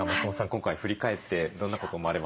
今回振り返ってどんなことを思われますか？